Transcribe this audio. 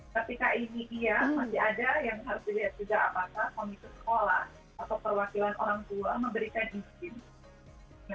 ketika ini iya masih ada yang harus dilihat juga apakah komite sekolah atau perwakilan orang tua memberikan izin